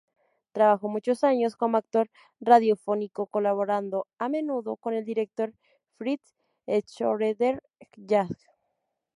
Trabajó muchos años como actor radiofónico, colaborando a menudo con el director Fritz Schröder-Jahn.